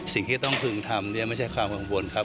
สิ่งที่ต้องพึงทำเนี่ยไม่ใช่ความกังวลครับ